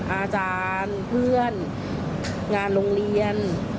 อาจารย์เพื่อนงานโรงเรียน